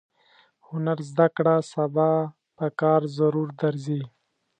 هنر زده کړه سبا پکار ضرور درځي.